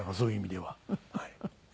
はい。